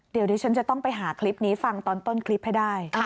เดี๋ยวดิฉันจะต้องไปหาคลิปนี้ฟังตอนต้นคลิปให้ได้